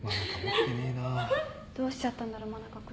どうしちゃったんだろう真中君。